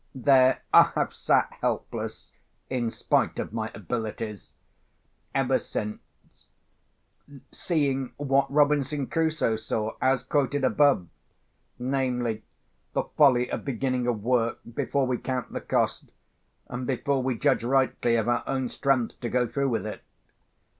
There I have sat helpless (in spite of my abilities) ever since; seeing what Robinson Crusoe saw, as quoted above—namely, the folly of beginning a work before we count the cost, and before we judge rightly of our own strength to go through with it.